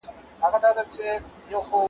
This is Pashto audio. د چنار د وني سیوري ته تکیه سو `